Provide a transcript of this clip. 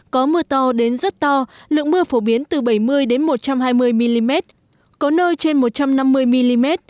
có mưa to đến rất to lượng mưa phổ biến từ bảy mươi một trăm hai mươi mm có nơi trên một trăm năm mươi mm